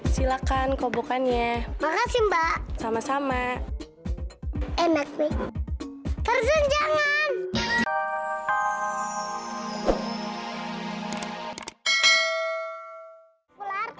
silakan kobokannya makasih mbak sama sama enak nih terjenangan